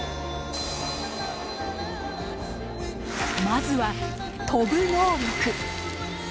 まずは飛ぶ能力。